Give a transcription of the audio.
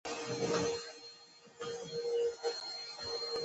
چاکلېټ له ژبې نه کښته نه شي.